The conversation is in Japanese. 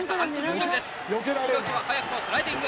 猪木は早くもスライディング。